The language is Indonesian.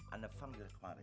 anafang dari kemarin